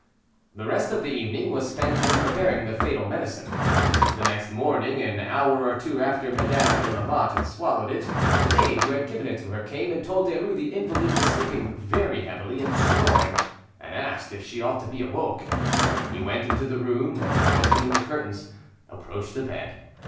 The rest of the evening was spent in preparing the fatal medicine. The next morning, an hour or two after Madame de Lamotte had swallowed it, the maid who had given it to her came and told Derues the invalid was sleeping very heavily and snoring, and asked if she ought to be awoke. He went into the room, and, opening the curtains, approached the bed.